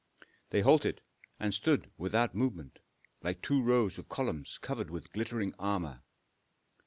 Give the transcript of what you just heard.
They halted and stood without movement, like two rows of columns covered with glittering armor.